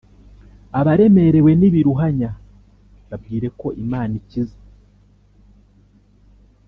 Abaremerewe nibiruhanya babwire ko Imana ikiza